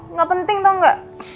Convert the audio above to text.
nggak penting tau gak